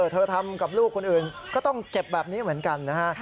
ทำกับลูกคนอื่นก็ต้องเจ็บแบบนี้เหมือนกันนะฮะ